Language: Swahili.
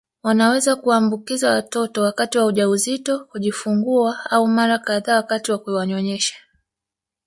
Wanaweza kumwaambukiza watoto wakati wa ujauzito kujifungua au mara kadhaa wakati wa kuwanyonyesha